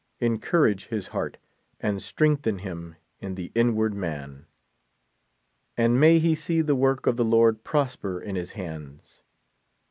En courage his heart, and strehgthen him in the inward man. and may he see the work of the Lord prosper in his hands.